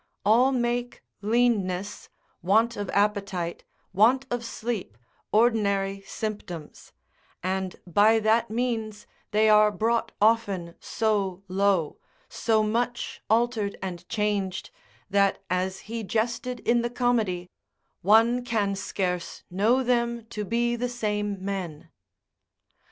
All make leanness, want of appetite, want of sleep ordinary symptoms, and by that means they are brought often so low, so much altered and changed, that as he jested in the comedy, one scarce know them to be the same men.